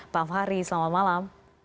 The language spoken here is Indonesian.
pak afahri selamat malam